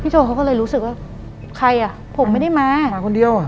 โชว์เขาก็เลยรู้สึกว่าใครอ่ะผมไม่ได้มามาคนเดียวอ่ะ